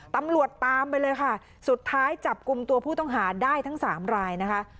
ตำรวจตามไปเลยค่ะสุดท้ายจับกลุ่มตัวผู้ต้องหาได้ทั้งสามรายนะคะ